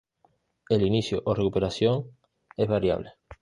El inicio o recuperación es variable.